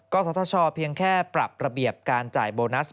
ศทชเพียงแค่ปรับระเบียบการจ่ายโบนัส